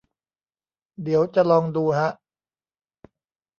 เดี๋ยวจะลองดูฮะ